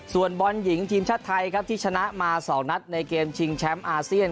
ส่วนบอลหญิงทีมชาติไทยครับที่ชนะมา๒นัดในเกมชิงแชมป์อาเซียน